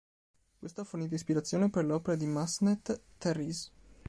Questo ha fornito ispirazione per l'opera di Massenet "Thérèse".